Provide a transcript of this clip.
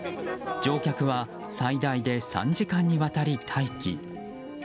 乗客は最大で３時間にわたり待機。